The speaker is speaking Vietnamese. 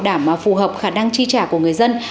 đảm phù hợp khả năng chi trả của người dân